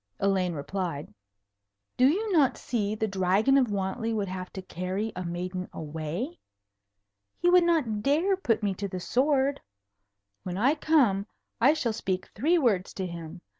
Elaine replied. "Do you not see the Dragon of Wantley would have to carry a maiden away? He would not dare to put me to the sword. When I come, I shall speak three words to him.